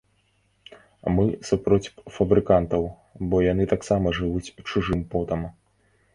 Мы супроць фабрыкантаў, бо яны таксама жывуць чужым потам.